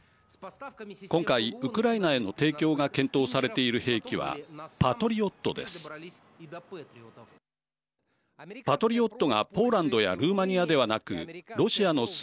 今回ウクライナへの提供が検討されている兵器はパトリオットです。